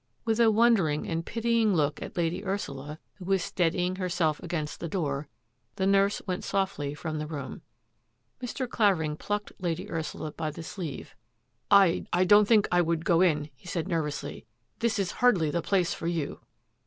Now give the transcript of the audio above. With a wondering and pitying look at Lady Ursula, who was steadying herself against the door, the nurse went softly from the room. Mr. Clavering plucked Lady Ursula by the sleeve. "I — I don't think I would go in," he said nervously. " This is hardly the place for you."